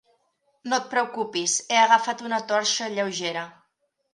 No et preocupis, he agafat una torxa lleugera.